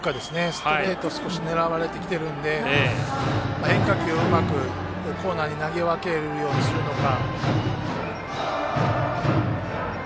ストレートを少し狙われてきているので変化球を、うまくコーナーに投げ分けるようにするのか。